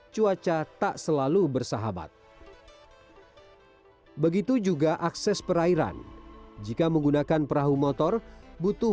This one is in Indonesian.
cuaca tak selalu bersahabat begitu juga akses perairan jika menggunakan perahu motor butuh